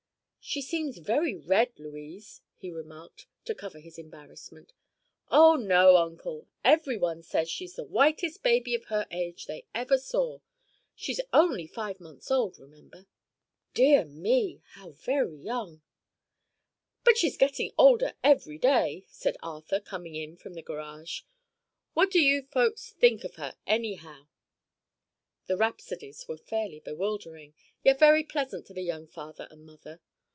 "She seems very red, Louise," he remarked, to cover his embarrassment. "Oh, no, Uncle! Everyone says she's the whitest baby of her age they ever saw. She's only five months old, remember." "Dear me; how very young." "But she's getting older every day," said Arthur, coming in from the garage. "What do you folks think of her, anyhow?" The rhapsodies were fairly bewildering, yet very pleasant to the young father and mother.